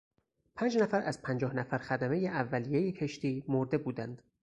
پنچ نفر از پنجاه نفر خدمهی اولیهی کشتی مرده بودند.